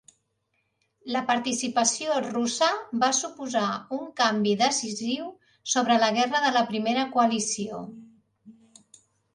La participació russa va suposar un canvi decisiu sobre la guerra de la Primera Coalició.